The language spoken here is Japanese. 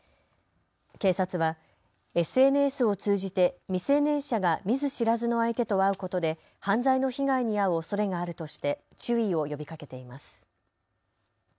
警察はＳＮＳを通じて未成年者が見ず知らずの相手と会うことで犯罪の被害に遭うおそれがあるとして注意を呼びかけています。